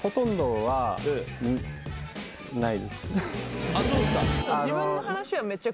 はい。